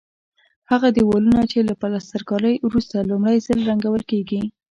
هغه دېوالونه چې له پلسترکارۍ وروسته لومړی ځل رنګول کېږي.